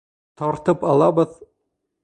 Тартып алабыҙ!